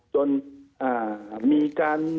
จนมีการ